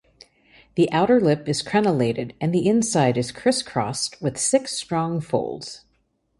The outer lip is crenellated and the inside is crisscrossed with six strong folds.